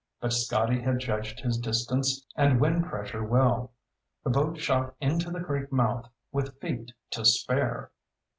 But Scotty had judged his distance and wind pressure well. The boat shot into the creek mouth with feet to spare.